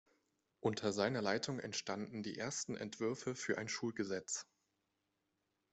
Unter seiner Leitung entstanden die ersten Entwürfe für ein Schulgesetz.